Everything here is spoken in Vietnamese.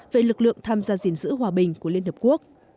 về lực lượng tham gia gìn giữ hòa bình của liên hợp quốc